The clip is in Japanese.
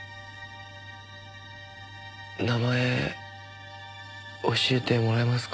名前教えてもらえますか？